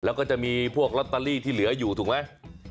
แล้วก็จะมีพวกลอตเตอรี่ที่เหลืออยู่ถูกไหม